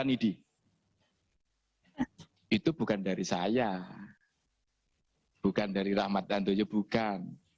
ini itu bukan dari saya bukan dari rahmat handoyo bukan